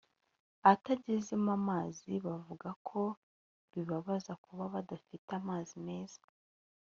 atagezemo amazi, bavuga ko bibabaza kuba badafite amazi meza